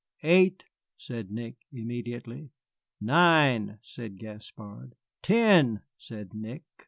"Eight!" said Nick, immediately. "Nine," said Gaspard. "Ten," said Nick.